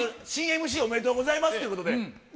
新ＭＣ、おめでとうございますということで。